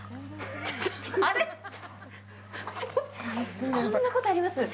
あれっ、こんなことあります？